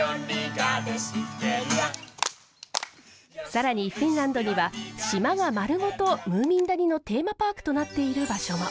更にフィンランドには島が丸ごとムーミン谷のテーマパークとなっている場所も。